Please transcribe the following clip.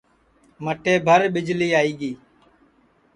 مٹئے بھر ٻِجݪی آئی گی